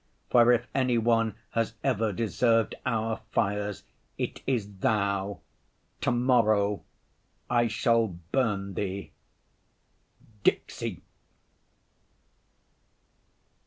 For if any one has ever deserved our fires, it is Thou. To‐morrow I shall burn Thee. _Dixi.